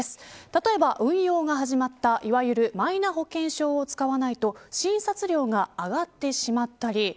例えば、運用が始まったいわゆるマイナ保険証を使わないと診察料が上がってしまったり。